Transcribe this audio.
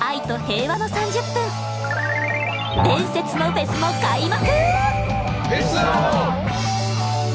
伝説のフェスの開幕！